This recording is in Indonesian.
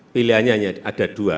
pilihannya hanya ada dua